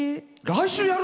来週。